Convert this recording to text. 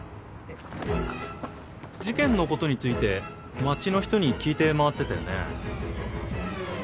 事件のことについて町の人に聞いて回ってたよね？